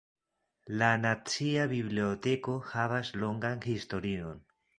La Nacia Biblioteko havas longan historion.